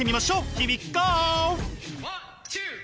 ヒアウィゴー！